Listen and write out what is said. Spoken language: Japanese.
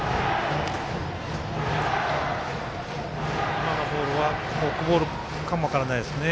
今のボールはフォークボールかも分からないですね。